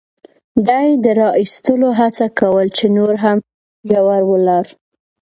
ده یې د را اېستلو هڅه کول، چې نور هم ژور ولاړ.